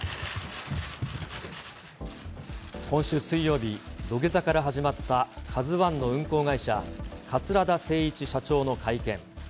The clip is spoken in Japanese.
今週水曜日、土下座から始まったカズワンの運航会社、桂田精一社長の会見。